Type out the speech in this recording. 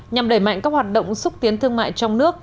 nhằm đẩy mạnh các hoạt động xúc tiến thương mại trong nước